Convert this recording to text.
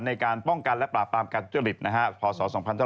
ในการป้องกันและปราบปรามการทุจริตพศ๒๕๕๙